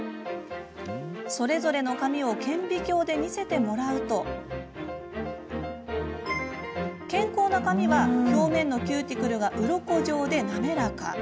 それぞれの髪を顕微鏡で見せてもらうと健康な髪は表面のキューティクルがうろこ状で滑らか。